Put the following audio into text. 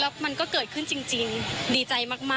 แล้วมันก็เกิดขึ้นจริงดีใจมาก